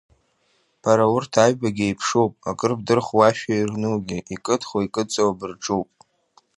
Бара, урҭ аҩбагьы еиԥшуп, акыр бдырхуашәа ирнугьы, икыдхуа-икыдҵауа бырҿуп.